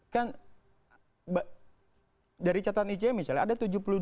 kan dari catatan ic misalnya ada tujuh puluh dua